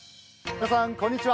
皆さんこんにちは。